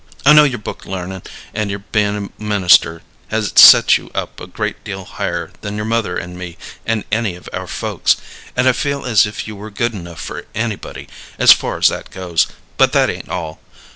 I know your book learnin' and your bein' a minister has set you up a good deal higher than your mother and me and any of our folks, and I feel as if you were good enough for anybody, as far as that goes; but that ain't all.